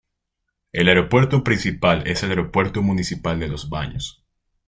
El aeropuerto principal es el Aeropuerto Municipal de Los Baños.